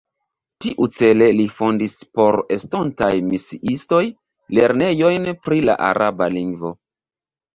Tiucele li fondis por estontaj misiistoj lernejojn pri la araba lingvo.